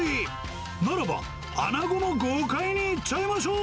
ならば、穴子も豪快にいっちゃいましょう。